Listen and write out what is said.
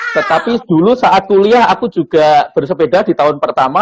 tetapi dulu saat kuliah aku juga bersepeda di tahun pertama